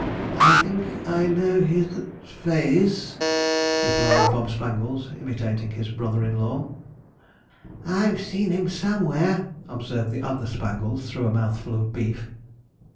'I think I know his face,' replied Bob Spangles, imitating his brother in law. 'I've seen him somewhere,' observed the other Spangles, through a mouthful of beef.